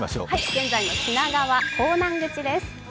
現在の品川・港南口です。